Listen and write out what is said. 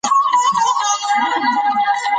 هغه د خپل ارام لپاره پر کټ اوږد وغځېد.